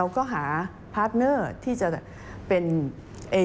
ประกอบกับต้นทุนหลักที่เพิ่มขึ้น